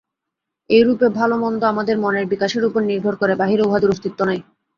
এইরূপে ভাল-মন্দ আমাদের মনের বিকাশের উপর নির্ভর করে, বাহিরে উহাদের অস্তিত্ব নাই।